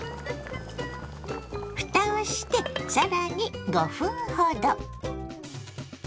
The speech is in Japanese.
ふたをして更に５分ほど。